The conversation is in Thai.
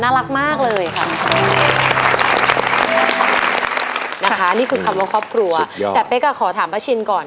น่ารักมากเลยค่ะนะคะนี่คือคำว่าครอบครัวแต่เป๊กก็ขอถามพ่อชินก่อน